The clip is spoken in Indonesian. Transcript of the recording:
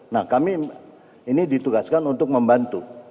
nah kami ini ditugaskan untuk membantu